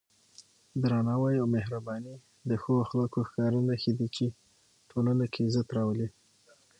درناوی او مهرباني د ښو اخلاقو ښکاره نښې دي چې ټولنه کې عزت راولي.